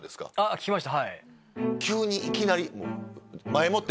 聞きました。